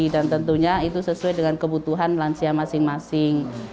dan tentunya itu sesuai dengan kebutuhan lansia masing masing